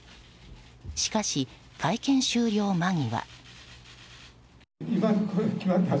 しかし、会見終了間際。